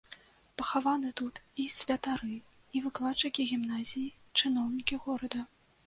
Пахаваны тут і святары, і выкладчыкі гімназіі, чыноўнікі горада.